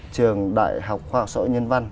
trường đại học khoa học sở nhân văn